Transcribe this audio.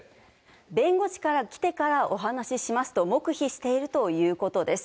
弁護士が来てからお話しますと黙秘しているということです。